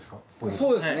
そうですね。